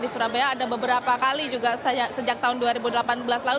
di surabaya ada beberapa kali juga sejak tahun dua ribu delapan belas lalu